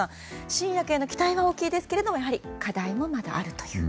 新薬への期待は大きいですけどやはり課題もまだあるという。